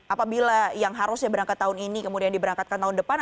apabila yang harusnya berangkat tahun ini kemudian diberangkatkan tahun depan